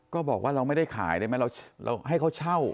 ก็บอกว่าเราไม่ได้ขายได้ไหมเราให้เขาเช่า